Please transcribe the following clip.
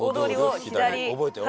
覚えてよ